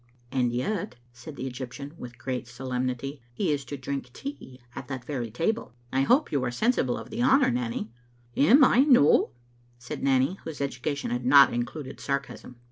"And yet," said the Egyptian, with great solemnity, " he is to drink tea at that very table. I hope you are sensible of the honour, Nanny. "" Am I no?" said Nanny, whose education had not included sarcasm.